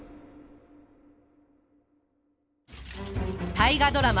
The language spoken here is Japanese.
大河ドラマ